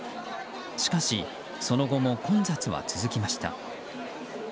しかし、その後も混雑は続きました。